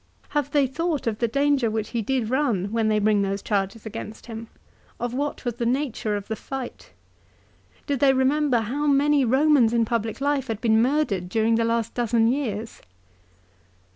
Have they thought of the danger which he did run when they bring those charges against him ; of what was the nature of the fight ? Do they remember how many Romans in public life had been murdered during the last dozen years